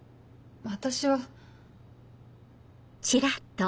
私は。